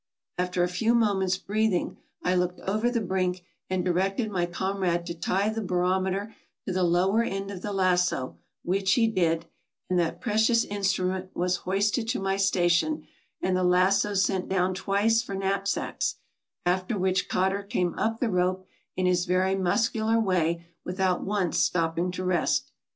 After a few moments' breathing I looked over the brink and directed my comrade to tie the barometer to the lower end of the lasso, which he did, and AMERICA 111 that precious instrument was hoisted to my station, and the lasso sent down twice for knapsacks, after which Cotter came up the rope in his very muscular way without once stopping to rest.